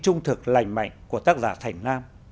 trung thực lành mạnh của tác giả thành nam